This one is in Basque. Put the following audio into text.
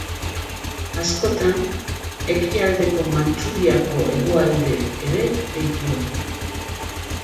Askotan Ekialdeko Mantxuriako hegoalde ere deitua.